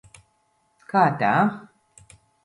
Kā tā?